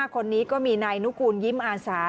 คนนี้ก็มีนายนุกูลยิ้มอาสา